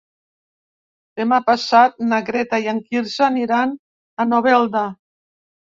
Demà passat na Greta i en Quirze aniran a Novelda.